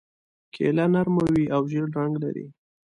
کیله نرمه وي او ژېړ رنګ لري.